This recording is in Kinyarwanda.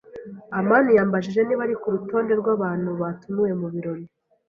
amani yambajije niba ari kurutonde rwabantu batumiwe mubirori.